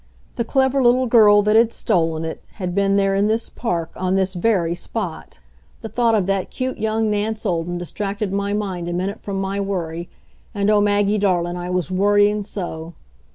The clever little girl that had stolen it had been here in this park, on this very spot. The thought of that cute young Nance Olden distracted my mind a minute from my worry and, oh, Maggie darlin', I was worrying so!